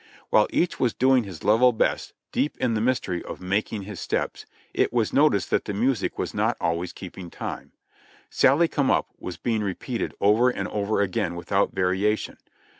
While each was doing his level best, deep in the mystery of "making his steps," it was noticed that the music was not always keeping time; "Sally come up" was being re peated over and over again without variation.